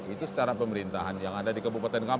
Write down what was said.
itu secara pemerintahan yang ada di kebupaten kami